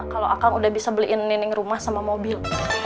kalau akang udah bisa beliin nining rumah sama mobil